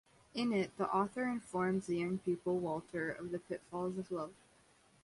In it, the author informs a young pupil, Walter, of the pitfalls of love.